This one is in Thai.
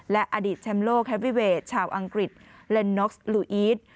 และอดีตแชมป์โลกแฮปวิเวทชาวอังกฤษเลนน็อกซ์ลูอีท